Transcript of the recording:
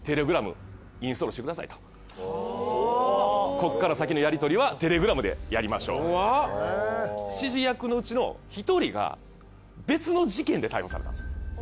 ここから先のやり取りはテレグラムでやりましょう指示役のうちの１人が別の事件で逮捕されたんですよ。